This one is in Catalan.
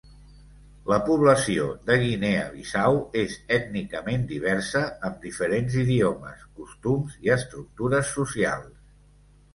La població de Guinea Bissau és ètnicament diversa amb diferents idiomes, costums i estructures socials.